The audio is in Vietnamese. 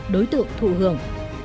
đối tượng thụ hưởng